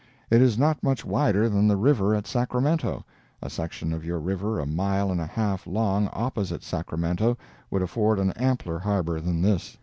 It is not much wider than the river at Sacramento—a section of your river a mile and a half long opposite Sacramento would afford an ampler harbor than this.